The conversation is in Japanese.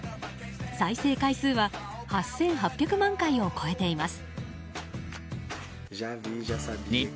再生回数は８８００万回を超えています。